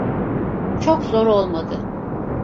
Çok zor olmadı.